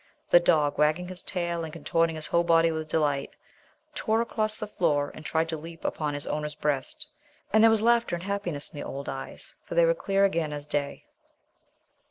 The dog, wagging his tail and contorting his whole body with delight, tore across the floor and tried to leap up upon his owner's breast. And there was laughter and happiness in the old eyes; for they were clear again as the day.